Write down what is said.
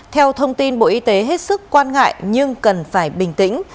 theo thông tin bộ y tế hết sức quan ngại nhưng cần phải bình tĩnh